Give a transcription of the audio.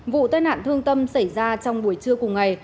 vụ tai nạn thương tâm xảy ra trong buổi trưa cùng ngày